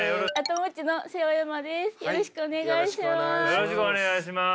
よろしくお願いします。